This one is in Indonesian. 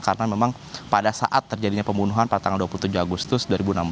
karena memang pada saat terjadinya pembunuhan pada tanggal dua puluh tujuh agustus dua ribu enam belas